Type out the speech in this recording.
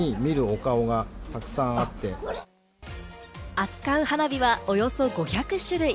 扱う花火は、およそ５００種類。